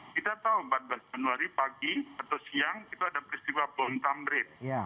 kita tahu empat belas januari pagi atau siang itu ada peristiwa bom tamrin